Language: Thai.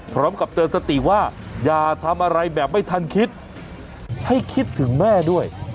พร้อมกับเตือนสติว่าอย่าทำอะไรแบบไม่ทันคิดให้คิดถึงแม่ด้วย